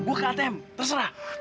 gue ke atm terserah